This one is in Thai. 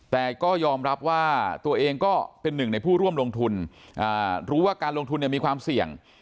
แต่ก็ยอมรับว่าตัวเองก็เป็นหนึ่งในผู้ร่วมลงทุนรู้ว่าการลงทุนมีความเสี่ยง